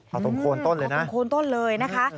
เอาตรงโคนต้นเลยนะตรงโคนต้นเลยนะคะ